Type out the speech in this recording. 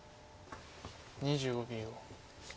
２５秒。